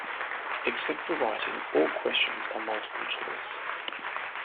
Except for writing, all questions are multiple-choice.